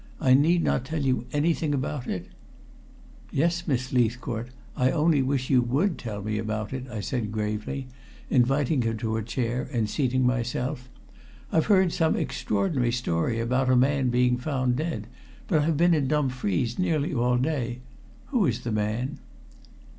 I need not tell you anything about it" "Yes, Miss Leithcourt, I only wish you would tell me about it," I said gravely, inviting her to a chair and seating myself. "I've heard some extraordinary story about a man being found dead, but I've been in Dumfries nearly all day. Who is the man?"